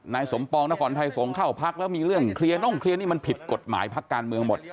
นายสมปองนครไทยสงฆ์เข้าพักแล้วมีเรื่องเคลียร์น่องเคลียร์นี่มันผิดกฎหมายพักการเมืองหมด